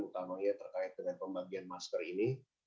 utamanya terkait dengan pembagian masker ini